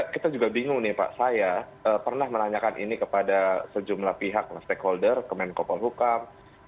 kita juga bingung nih pak saya pernah menanyakan ini kepada sejumlah pihak stakeholder kemenkopol hukam